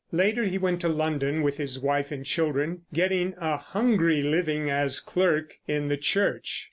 Later he went to London with his wife and children, getting a hungry living as clerk in the church.